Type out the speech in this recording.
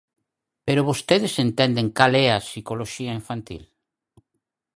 ¿Pero vostedes entenden cal é a psicoloxía infantil?